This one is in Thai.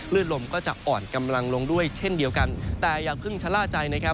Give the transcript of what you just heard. ลมก็จะอ่อนกำลังลงด้วยเช่นเดียวกันแต่อย่าเพิ่งชะล่าใจนะครับ